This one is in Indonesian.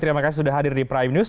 terima kasih sudah hadir di prime news